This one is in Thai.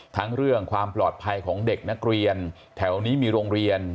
ทั้งเรื่องความปลอดภัยของเด็กนักเรียนแถวนี้มีโรงเรียน